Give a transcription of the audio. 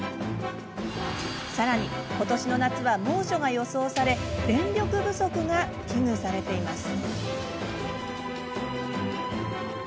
さらに、ことしの夏は猛暑が予想され電力不足が危惧されています。